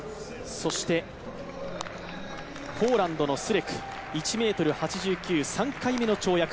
ポーランドのスレク、１ｍ８９、３回目の跳躍。